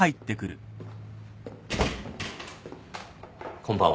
こんばんは。